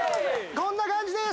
こんな感じです